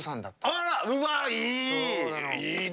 あら、うわ、いい！